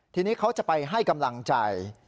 ทีนี้เขาจะไปให้กำลังใจ